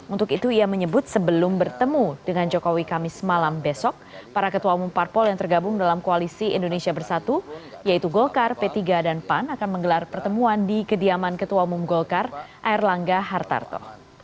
untuk itu ia menyebut sebelum bertemu dengan jokowi kamis malam besok para ketua umum parpol yang tergabung dalam koalisi indonesia bersatu yaitu golkar p tiga dan pan akan menggelar pertemuan di kediaman ketua umum golkar air langga hartarto